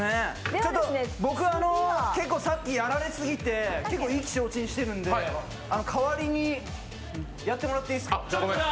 僕、結構さっきやられすぎて意気消沈してるんで代わりにやってもらっていいっすか？